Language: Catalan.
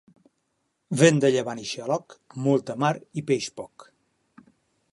Vent de llevant i xaloc, molta mar i peix poc.